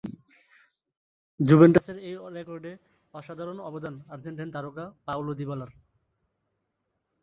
জুভেন্টাসের এই রেকর্ডে অসাধারণ অবদান আর্জেন্টাইন তারকা পাওলো দিবালার।